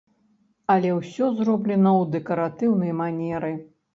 Але ўсе зроблена ў дэкаратыўнай манеры.